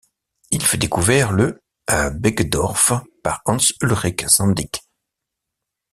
Il fut découvert le à Bergedorf par Hans-Ullrich Sandig.